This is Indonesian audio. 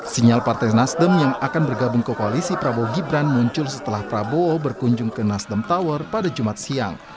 sinyal partai nasdem yang akan bergabung ke koalisi prabowo gibran muncul setelah prabowo berkunjung ke nasdem tower pada jumat siang